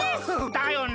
だよね。